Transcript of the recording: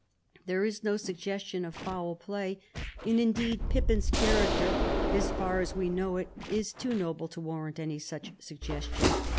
There is no suggestion of foul play, and indeed Pippin's character, as far as we know it, is too noble to warrant any such suggestion.